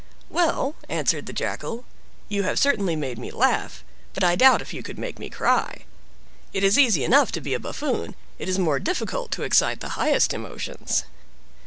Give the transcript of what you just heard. "Well," answered the Jackal, "you have certainly made nine laugh, but I doubt if you could make me cry. It is easy enough to be a buffoon; it is more difficult to excite the highest emotions."